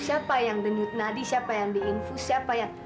siapa yang denyut nadi siapa yang diinfus siapa yang